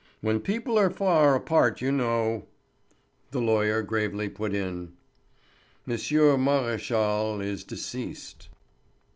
When people are far apart you know——" The lawyer gravely put in: "M. Maréchal is deceased."